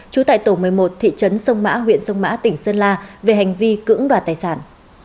trú tại tổ một mươi một thị trấn sông mã huyện sông mã tỉnh sơn la về hành vi cưỡng đoạt tài sản